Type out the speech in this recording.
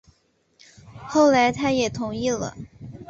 后来他也同意了